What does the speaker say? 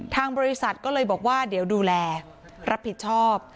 ทางบริษัทก็เลยบอกว่าเดี๋ยวดูแลรับผิดชอบ